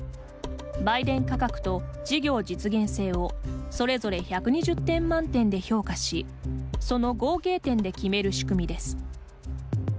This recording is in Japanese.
売電価格と事業実現性をそれぞれ１２０点満点で評価しその合計点で決める仕組みです。